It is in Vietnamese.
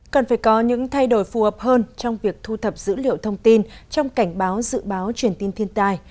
cần phải có những thay đổi phù hợp hơn trong việc thu thập dữ liệu thông tin trong cảnh báo dự báo truyền tin thiên tai